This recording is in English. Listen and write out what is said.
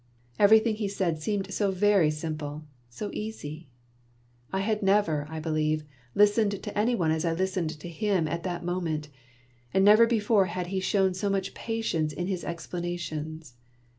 Everything he said seemed so very simple, so easy ! I had never, I believe, listened to any one as I listened to him at that moment, and never before had he shown so much patience in his ex planations.